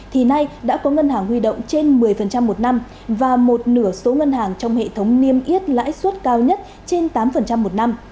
thì nay đã có ngân hàng huy động trên một mươi một năm và một nửa số ngân hàng trong hệ thống niêm yết lãi suất cao nhất trên tám một năm